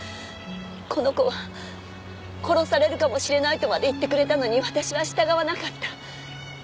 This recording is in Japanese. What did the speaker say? この子は「殺されるかもしれない」とまで言ってくれたのに私は従わなかった。